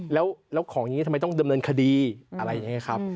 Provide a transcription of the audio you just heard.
แล้วของอย่างนี้ทำไมต้องดำเนินคดีอะไรอย่างนี้ครับ